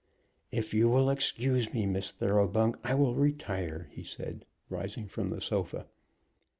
"If you will excuse me, Miss Thoroughbung, I will retire," he said, rising from the sofa.